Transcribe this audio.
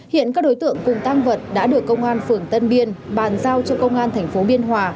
hiện các đối tượng cùng tăng vật đã được công an phường tân biên bàn giao cho công an thành phố biên hòa